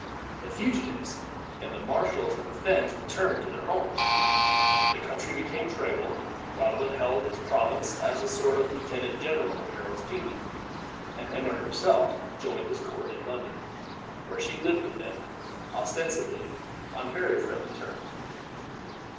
The fugitives in the marshes and fens returned to their homes; the country became tranquil; Godwin held his province as a sort of lieutenant general of Harold's kingdom, and Emma herself joined his court in London, where she lived with him ostensibly on very friendly terms.